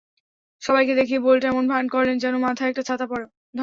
সবাইকে দেখিয়ে বোল্ট এমন ভান করলেন, যেন মাথায় একটা ছাতা ধরা।